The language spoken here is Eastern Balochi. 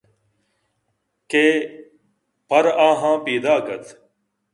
کہ پرآہاں پیداک اَت